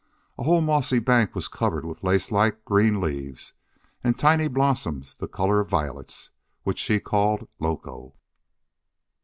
A whole mossy bank was covered with lace like green leaves and tiny blossoms the color of violets, which she called loco.